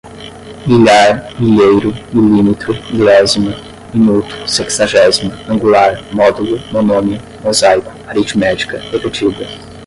milhar, milheiro, milímetro, milésima, minuto, sexagésima, angular, módulo, monômio, mosaico, aritmética, repetida